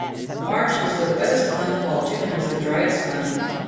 March is the wettest month while June is the driest month.